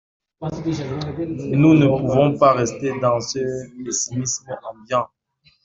Nous ne pouvons pas rester dans ce pessimisme ambiant.